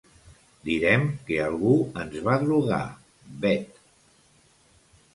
Direm que algú ens va drogar, Bet.